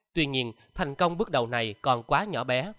tuy nhiên thành công bước đầu này còn quá nhỏ bé